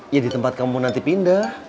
ya di tempat kamu nanti pindah